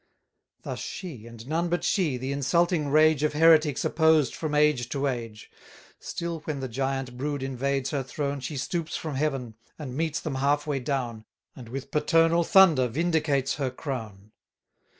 Thus she, and none but she, the insulting rage Of heretics opposed from age to age: Still when the giant brood invades her throne, She stoops from heaven, and meets them half way down, And with paternal thunder vindicates her crown.